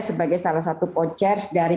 sebagai salah satu co chairs dari